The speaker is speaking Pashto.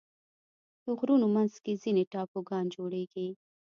د غرونو منځ کې ځینې ټاپوګان جوړېږي.